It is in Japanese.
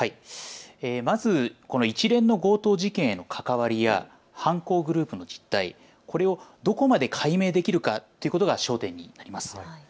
まず一連の強盗事件への関わりや犯行グループの実態、これをどこまで解明できるかということが焦点になります。